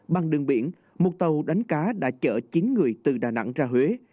bằng đường biển một tàu đánh cá đã chở chín người từ đà nẵng ra huế